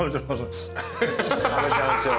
食べちゃうんすよ。